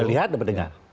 melihat dan mendengar